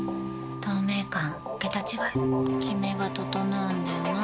透明感桁違いキメが整うんだよな。